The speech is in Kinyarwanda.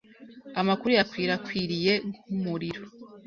Amakuru yakwirakwiriye nkumuriro.